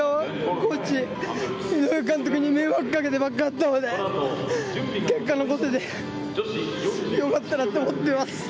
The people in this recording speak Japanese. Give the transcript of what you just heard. コーチ井上監督に迷惑をかけてばっかりだったので結果が出て良かったと思います。